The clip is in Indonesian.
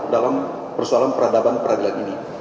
dalam persoalan peradaban peradilan ini